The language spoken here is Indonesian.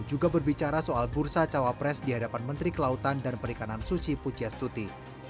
juga berbicara soal bursa cawapres di hadapan menteri kelautan dan perikanan suci pujastuti